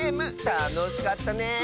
たのしかったね！